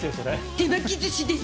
手巻き寿司です。